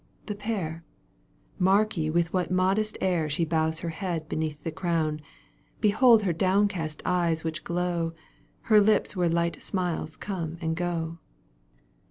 the pair, ^ Mark ye with what a modest air She bows her head beneath the crown ;^ Behold her downcast eyes which glow, Her lips where light smiles come and go